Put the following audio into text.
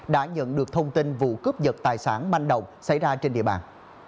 đã nhận được thông tin vụ cướp giật tài sản manh động xảy ra trên địa bàn